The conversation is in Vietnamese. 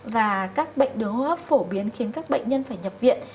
và các bệnh đường hô hấp phổ biến khiến các bệnh nhân phải nhập viện